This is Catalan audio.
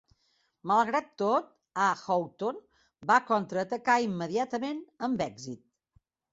Malgrat tot, "A. Houghton" va contraatacar immediatament amb èxit.